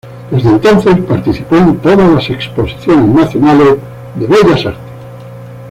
Desde entonces participó en todas las exposiciones nacionales de bellas artes.